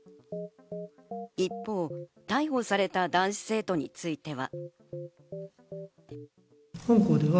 一方、逮捕された男子生徒については。